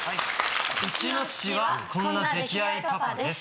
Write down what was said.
うちの父はこんな溺愛パパです。